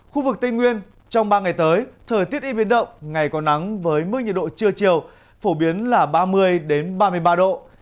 khu vực tây nguyên trong ba ngày tới thời tiết ít biến động ngày có nắng với mức nhiệt độ trưa chiều phổ biến là ba mươi ba mươi ba độ